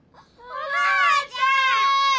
おばあちゃん！